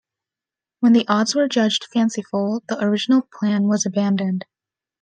When the odds were judged "fanciful", the original plan was abandoned.